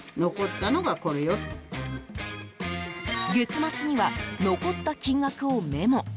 月末には残った金額をメモ。